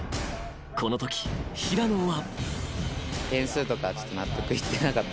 ［このとき平野は］